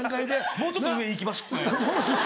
「もうちょっと上行きましょうか」。